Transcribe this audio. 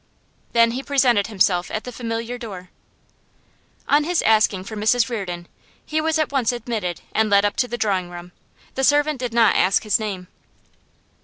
Then he presented himself at the familiar door. On his asking for Mrs Reardon, he was at once admitted and led up to the drawing room; the servant did not ask his name.